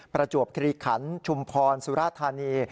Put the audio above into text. ประจวบคิริขันชุมพรสุราธานี